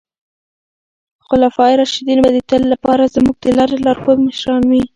خلفای راشدین به د تل لپاره زموږ د لارې لارښود مشران وي.